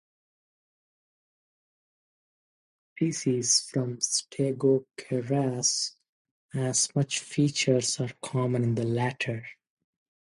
This differentiates the species from "Stegoceras", as such features are common in the latter.